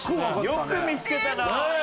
よく見付けたな。